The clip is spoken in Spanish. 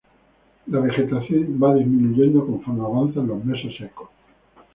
La vegetación va disminuyendo conforme avanzan los meses secos.